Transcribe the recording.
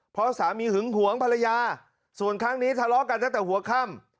เพราะสามีหึงหวงภรรยาส่วนครั้งนี้ทะเลาะกันตั้งแต่หัวค่ำ